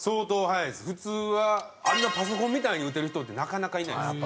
普通はあんなパソコンみたいに打てる人ってなかなかいないです。